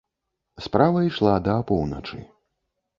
Справа ішла да апоўначы.